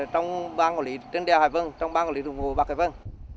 trong ban quản lý trên đèo hải vân trong ban quản lý thủng hộ bắc hải vân